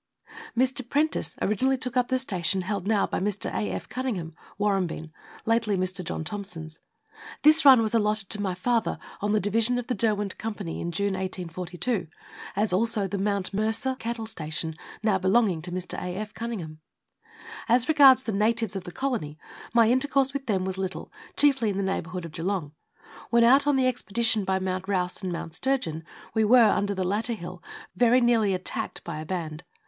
Mr. Prentice originally took up the station held now by Mr. A. F. Cunningham Warrambine lately Mr. John Thomson's. This run was allotted to my father on the division of the Derwent Company in June 1842, as also the Mount Mercer cattle station now belonging to Mr. A. F. Cunningham. As regards the natives of the colony, my intercourse with them was little, chiefly in the neighbourhood of Geelong. When out on the expedition by Mount Rouse and Mount Sturgeon we were, under the latter hill, very nearly attacked by a band.